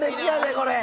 これ。